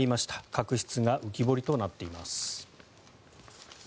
確執が浮き彫りとなっています。